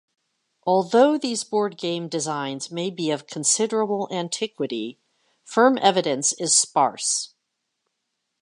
Although these board game designs may be of considerable antiquity, firm evidence is sparse.